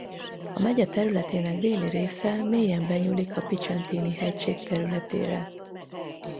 A megye területének déli része mélyen benyúlik a Picentini-hegység területére.